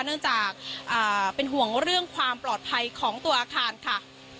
เนื่องจากเป็นห่วงเรื่องความปลอดภัยของตัวอาคารค่ะ